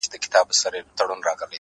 وخت د غفلت تاوان زیاتوي.